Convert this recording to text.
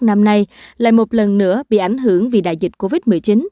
năm nay lại một lần nữa bị ảnh hưởng vì đại dịch covid một mươi chín